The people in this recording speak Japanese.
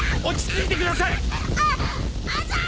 落ち着いてください！あっ！？